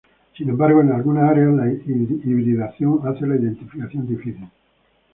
Sin embargo, en algunas áreas la hibridación hace la identificación difícil.